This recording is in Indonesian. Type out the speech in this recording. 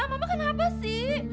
mama kenapa sih